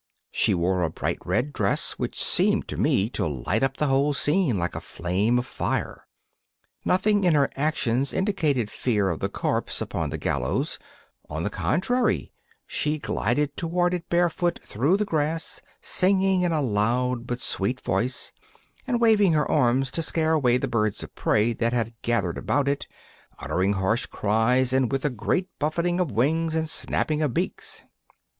She wore a bright red dress, which seemed to me to light up the whole scene like a flame of fire. Nothing in her actions indicated fear of the corpse upon the gallows; on the contrary, she glided toward it barefooted through the grass, singing in a loud but sweet voice, and waving her arms to scare away the birds of prey that had gathered about it, uttering harsh cries and with a great buffeting of wings and snapping of beaks.